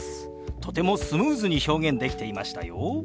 とてもスムーズに表現できていましたよ。